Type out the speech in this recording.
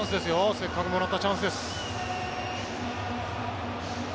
せっかくもらったチャンスです。